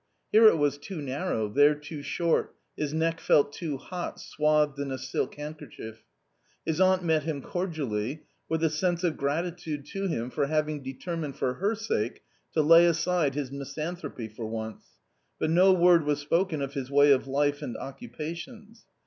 Here it was too narrow, there too short ; his neck felt too hot swathed in a silk handkerchief. His aunt met him cordially, with a sense of gratitude to him for having determined for her sake to lay aside his mis anthropy for once, but no word was spoken of his way of life and occupations.